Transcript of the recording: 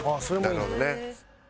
なるほどね。